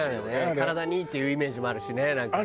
体にいいっていうイメージもあるしねなんかね。